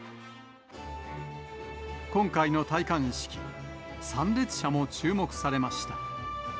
今回の戴冠式、参列者も注目されました。